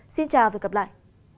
xin chào và hẹn gặp lại